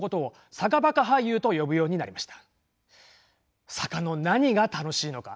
坂の何が楽しいのか？